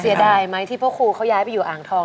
เสียดายไหมที่พ่อครูเขาย้ายไปอยู่อ่างทอง